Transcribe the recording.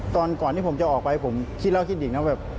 ก่อนที่ผมจะออกไปผมคิดแล้วคิดอีกนะแบบ